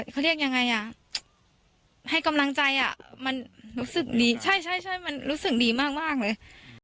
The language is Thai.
เขาเรียกยังไงอ่ะให้กำลังใจอ่ะมันรู้สึกดีใช่มันรู้สึกดีมากเลย